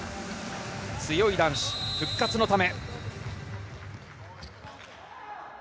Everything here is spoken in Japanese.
強い男子、復活のため。